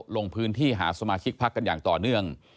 ลงพื้นที่หาสมาชิกพักกันอย่างต่อเนื่อง